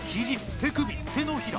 手首手のひら